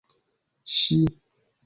ŝi